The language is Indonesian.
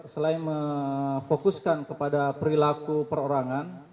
selain memfokuskan kepada perilaku perorangan